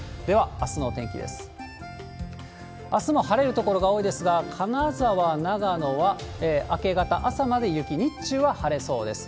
あすも晴れる所が多いですが、金沢、長野は明け方、朝まで雪、日中は晴れそうです。